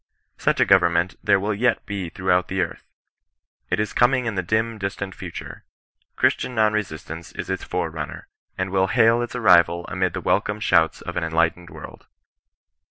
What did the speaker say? Such a government there will yet he throughout the earth. It is coming in the dim distant future. Christian non resistance is its forerunner, and will hail its arrival amid the welcome shouts of an enlightened world.